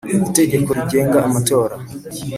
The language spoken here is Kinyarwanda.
Itegeko rigenga amatora